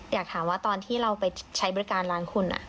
อยากถามว่าตอนที่เราไปใช้บริการร้านคุณ